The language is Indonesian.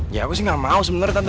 ya aku sih gak mau sebenarnya tante